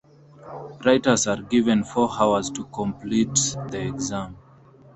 Writers are given four hours to complete the exam.